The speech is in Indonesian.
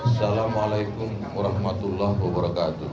assalamu'alaikum warahmatullahi wabarakatuh